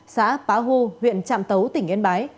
xã pá hu huyện trạm tấu tỉnh yên bái